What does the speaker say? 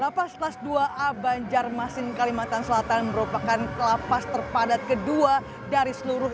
lapas kelas dua a banjarmasin kalimantan selatan merupakan lapas terpadat kedua dari seluruh